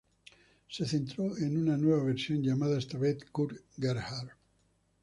Se centró en una nueva versión, llamado esta vez Kurt Gerhardt.